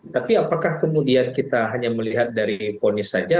tapi apakah kemudian kita hanya melihat dari ponis saja